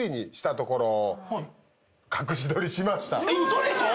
嘘でしょ